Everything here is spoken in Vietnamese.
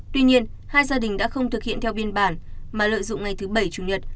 tuy nhiên hai gia đình đã không thực hiện theo biên bản mà lợi dụng ngày thứ bảy chủ nhật